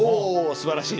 すばらしい。